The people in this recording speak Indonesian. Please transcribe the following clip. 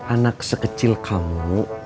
anak sekecil kamu